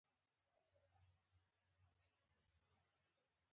د ږغ په اړه سل لنډې جملې: